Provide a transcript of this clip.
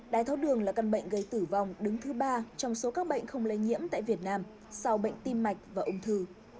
đái tháo đường là căn bệnh gây tử vong đứng thứ ba trong số các bệnh không lây nhiễm tại việt nam sau bệnh tim mạch và ung thư